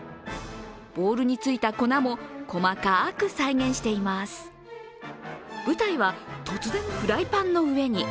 ボウルについた粉も細かく再現していまする舞台は突然、フライパンの上に。